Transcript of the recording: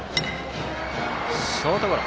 ショートゴロ。